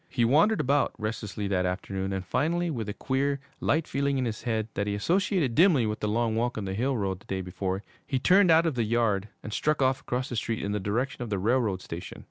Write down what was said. He wandered about restlessly that afternoon, and finally, with a queer, light feeling in his head, that he associated dimly with the long walk on the hill road the day before, he turned out of the yard and struck off across the street in the direction of the railroad station.